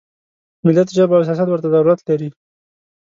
ملت ژبه او سیاست ورته ضرورت لري.